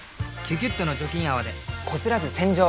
「キュキュット」の除菌泡でこすらず洗浄！